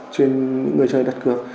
trên người chơi đặt cược